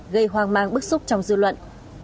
gây hoang mang bức xúc trong dư luận